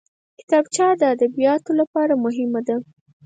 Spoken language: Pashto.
کتابچه د ادبیاتو لپاره مهمه ده